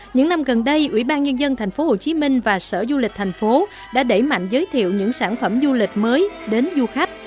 những năm gần đây ủy ban nhân dân thành phố hồ chí minh và sở du lịch thành phố đã đẩy mạnh giới thiệu những sản phẩm du lịch mới đến du khách